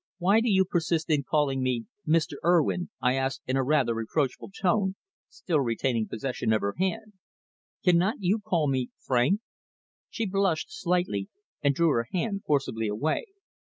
"Why do you persist in calling me Mr. Urwin?" I asked in a rather reproachful tone, still retaining possession of her hand. "Cannot you call me Frank?" She blushed slightly, and drew her hand forcibly away.